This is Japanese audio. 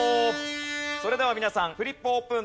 それでは皆さんフリップオープン。